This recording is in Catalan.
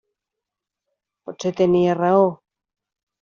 Potser tenia raó.